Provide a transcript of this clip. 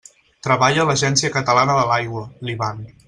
Treballa a l'Agència Catalana de l'Aigua, l'Ivan.